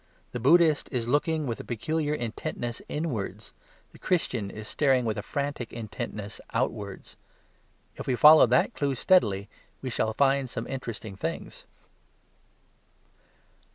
The Buddhist is looking with a peculiar intentness inwards. The Christian is staring with a frantic intentness outwards. If we follow that clue steadily we shall find some interesting things.